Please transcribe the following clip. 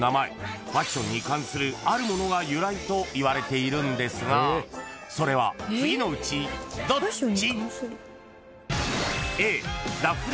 ［ファッションに関するあるものが由来といわれているんですがそれは次のうちどっち？］